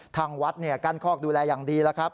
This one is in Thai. ทางวัดกั้นคอกดูแลอย่างดีแล้วครับ